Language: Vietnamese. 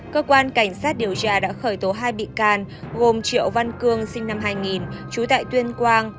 cơ quan cảnh sát điều tra đã khởi tố hai bị can gồm triệu văn cương sinh năm hai nghìn trú tại tuyên quang